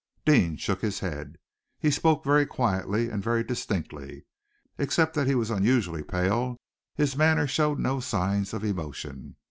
Deane shook his head. He spoke very quietly and very distinctly. Except that he was unusually pale, his manner showed no signs of emotion.